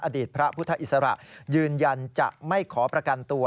อดีตพระพุทธอิสระยืนยันจะไม่ขอประกันตัว